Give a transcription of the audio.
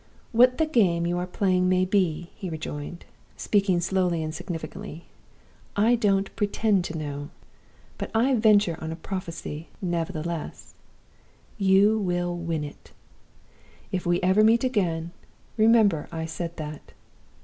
"'What the game you are playing may be,' he rejoined, speaking slowly and significantly, 'I don't pretend to know. But I venture on a prophecy, nevertheless you will win it! If we ever meet again, remember I said that.